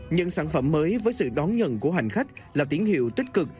những sản phẩm mới với sự đón nhận của hành khách là tín hiệu tích cực